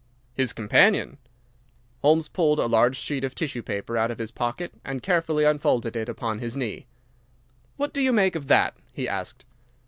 "His companion!" Holmes pulled a large sheet of tissue paper out of his pocket and carefully unfolded it upon his knee. "What do you make of that?" he asked.